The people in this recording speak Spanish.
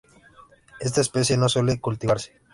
Esta especie no suele cultivarse.